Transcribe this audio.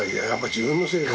自分のせいで。